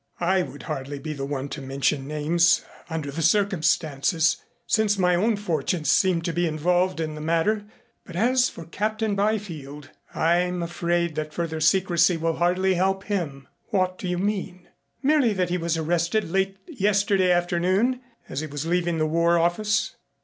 "I would hardly be the one to mention names under the circumstances since my own fortunes seem to be involved in the matter, but as for Captain Byfield, I'm afraid that further secrecy will hardly help him." "What do you mean?" "Merely that he was arrested late yesterday afternoon as he was leaving the War Office."